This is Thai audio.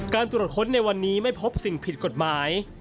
ตรวจค้นในวันนี้ไม่พบสิ่งผิดกฎหมาย